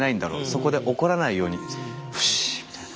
そこで怒らないように「よし」みたいな。